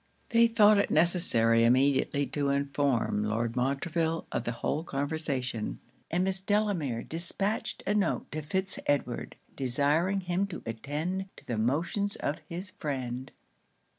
They thought it necessary immediately to inform Lord Montreville of the whole conversation, and Miss Delamere dispatched a note to Fitz Edward, desiring him to attend to the motions of his friend.